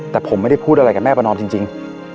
แต่ผมไม่ได้พูดอะไรกับแม่ประนอมจริง